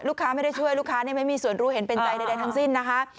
ไม่ได้ช่วยลูกค้าไม่มีส่วนรู้เห็นเป็นใจใดทั้งสิ้นนะคะ